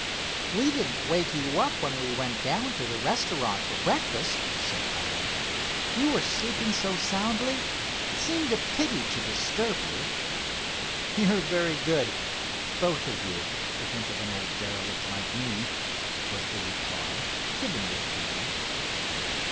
"We didn't wake you up when we went down to the restaurant for breakfast," said Hiram. "You were sleeping so soundly it seemed a pity to disturb you." "You're very good, both of you, to think of an old derelict like me," was the reply, given with feeling.